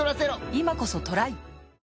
今こそトライ！